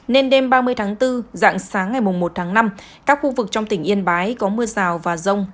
nên đêm ba mươi tháng bốn dạng sáng ngày một tháng năm các khu vực trong tỉnh yên bái có mưa rào và rông